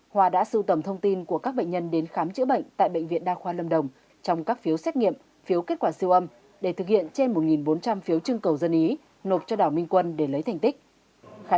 hòa đã sưu tầm thông tin của các bệnh nhân đến khám chữa bệnh tại bệnh viện đa khoa lâm đồng trong các phiếu xét nghiệm phiếu kết quả siêu âm để thực hiện trên một bốn trăm linh phiếu trưng cầu dân ý nộp cho đảo minh quân để lấy thành tích